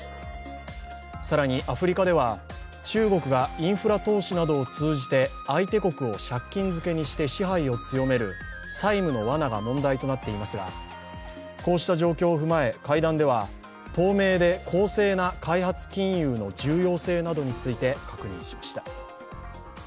更にアフリカでは、中国がインフラ投資などを通じて、相手国を借金漬けにして支配を強める、債務のわなが問題となっていますが、こうした状況を踏まえ、会談では透明で公正な開発金融の重要性などについて確認しました。